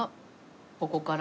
ここから。